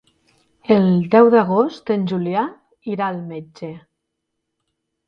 El deu d'agost en Julià irà al metge.